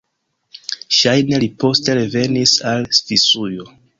Ŝajne li poste revenis al Svisujo.